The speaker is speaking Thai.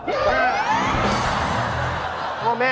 มีความรู้สึกว่า